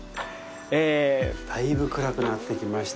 だいぶ暗くなってきました。